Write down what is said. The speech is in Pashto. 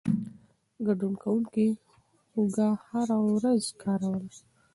ګډون کوونکو هوږه هره ورځ کاروله.